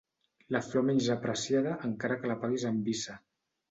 La flor menys apreciada, encara que la paguis amb visa.